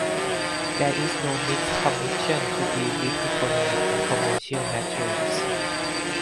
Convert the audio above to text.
There is no Mixed Commission to deal with economic and commercial matters.